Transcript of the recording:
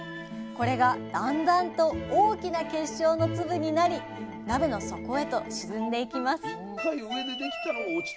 これがだんだんと大きな結晶の粒になり鍋の底へと沈んでいきます